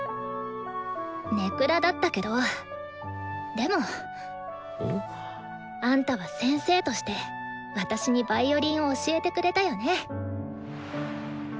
根暗だったけどでもあんたは「先生」として私にヴァイオリンを教えてくれたよね。